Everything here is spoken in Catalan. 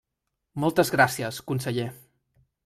Moltes gràcies, conseller.